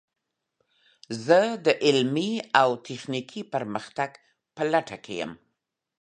زه د علمي او تخنیکي پرمختګ په لټه کې یم.